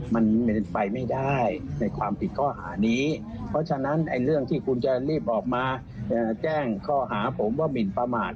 มันเป็นไปไม่ได้ในความผิดข้อหานี้เพราะฉะนั้นเรื่องที่คุณจะรีบออกมาแจ้งข้อหาผมว่าหมินประมาท